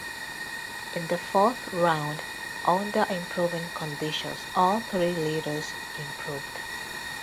In the fourth round, under improving conditions, all three leaders improved.